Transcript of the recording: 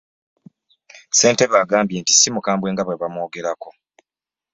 Ssentebe agambye nti si mukambwe nga bwe bamwogerako